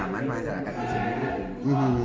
haraman masyarakat ini sendiri